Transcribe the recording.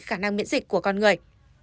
khả năng miễn dịch của con người